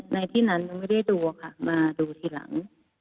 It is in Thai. ในที่นั้นยังไม่ได้ดูอะค่ะมาดูทีหลัง